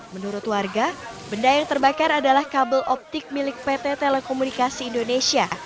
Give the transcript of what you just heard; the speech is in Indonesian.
menurut warga benda yang terbakar adalah kabel optik milik pt telekomunikasi indonesia